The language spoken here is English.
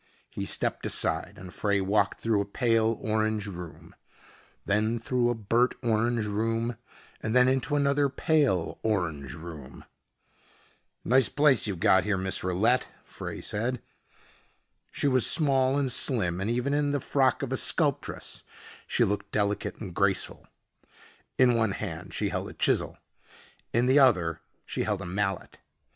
He stepped aside and Frey walked through a pale orange room, then through a burnt orange room and then into another pale orange room. "Nice place you've got here, Miss Rillette," Frey said. She was small and slim and even in the frock of a sculptress she looked delicate and graceful. In one hand she held a chisel. In the other she held a mallet.